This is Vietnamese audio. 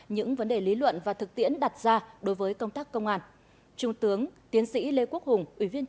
những vấn đề lý luận và thực tiễn đặt ra đối với công tác công an